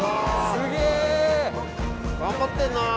すげぇ！頑張ってんなぁ。